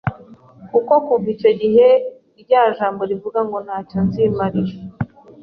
kuko kuva icyo gihe rya jambo rivuga ko nta cyo nzimarira